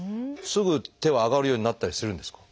すぐ手は上がるようになったりするんですか？